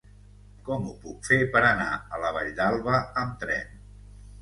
Com ho puc fer per anar a la Vall d'Alba amb tren?